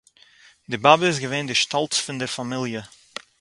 די באַבע איז געווען די שטאָלץ פון דער פאַמיליע